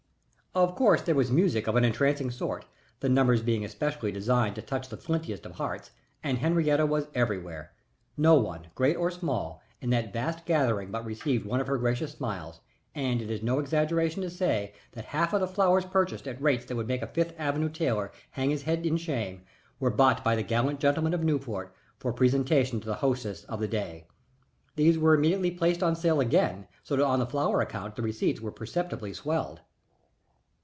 Of course there was music of an entrancing sort, the numbers being especially designed to touch the flintiest of hearts, and Henriette was everywhere. No one, great or small, in that vast gathering but received one of her gracious smiles, and it is no exaggeration to say that half of the flowers purchased at rates that would make a Fifth Avenue tailor hang his head in shame, were bought by the gallant gentlemen of Newport for presentation to the hostess of the day. These were immediately placed on sale again so that on the flower account the receipts were perceptibly swelled.